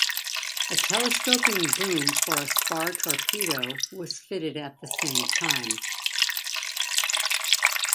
A telescoping boom for a spar torpedo was fitted at the same time.